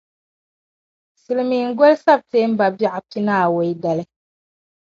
Silimiingoli September bɛɣu pinaawei dali.